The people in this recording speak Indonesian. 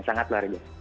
sangat luar biasa